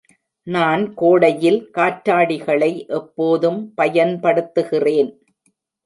நான் கோடையில் காற்றாடிகளை எப்போதும் பயன்படுத்துகிறேன்.